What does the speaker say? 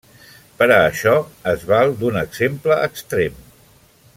Per a això es val d'un exemple extrem.